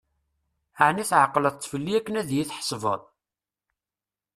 Ɛni tεeqdeḍ-t fell-i akken ad yi-d-tḥesbeḍ?